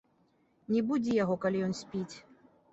Не будзі яго, калі ён спіць.